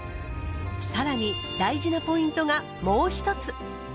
さらに大事なポイントがもう一つ。